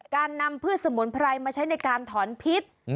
การนำพืชสมุนไพรมาใช้ในการถอนพิษ